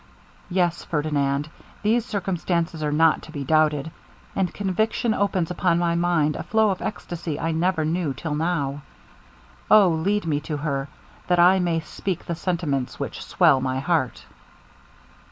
Yes! Ferdinand, these circumstances are not to be doubted, and conviction opens upon my mind a flow of extacy I never knew till now. O! lead me to her, that I may speak the sentiments which swell my heart.'